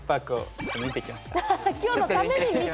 ちょっと見てきました。